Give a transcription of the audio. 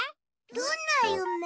どんなゆめ？